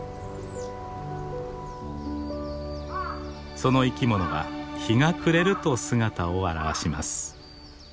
その生き物は日が暮れると姿を現します。